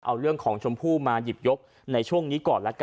เอาเรื่องของชมพู่มาหยิบยกในช่วงนี้ก่อนละกัน